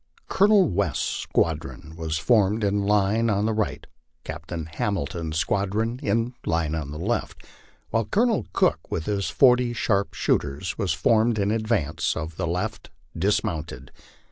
Colonel West'a squadron was formed in line on the rijjht, Captain Hamilton's squadron in line on the left, while Colonel Cook with his forty sharpshooters was formed in advance of the left, dismounted.